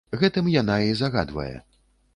Гэтым яна і загадвае.